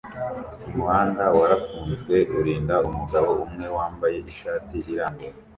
Umuhanda warafunzwe urinda umugabo umwe wambaye ishati irambuye